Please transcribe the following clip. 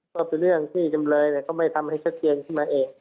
ก็เป็นเรื่องที่จำเลยเขาไม่ทำให้ชัดเจนขึ้นมาเอง